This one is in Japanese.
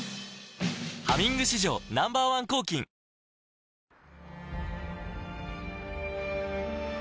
「ハミング」史上Ｎｏ．１抗菌男性）